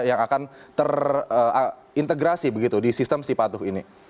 yang akan terintegrasi begitu di sistem sipatu ini